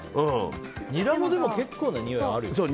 ニラもでも結構なにおいはあるよ。